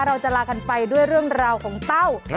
เราจะลากันไปด้วยเรื่องราวของเต้า